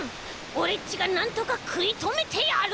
オレっちがなんとかくいとめてやる！